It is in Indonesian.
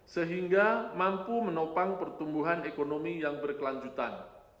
sehingga mampu menopang pertumbuhan ekonomi yang berkelanjutan